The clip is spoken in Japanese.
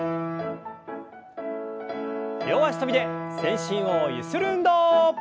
両脚跳びで全身をゆする運動。